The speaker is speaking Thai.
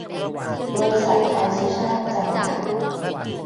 บริษัท ไทยสุชาต จำกัด